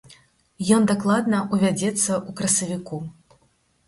Ён дакладна ўвядзецца ў красавіку.